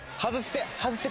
外して！